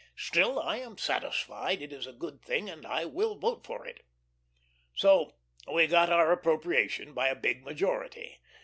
Still, I am satisfied it is a good thing, and I will vote for it." So we got our appropriation by a big majority.